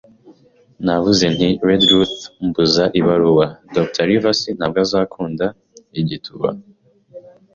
Navuze nti: “Redruth,” mbuza ibaruwa, “Dr. Livesey ntabwo azakunda. Igituba